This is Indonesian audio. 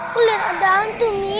gue liat ada hantu mi